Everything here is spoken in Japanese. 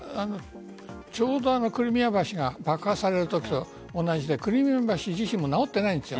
ちょうどクリミア橋が爆破されるときと同じでクリミア橋自身も直っていないんです。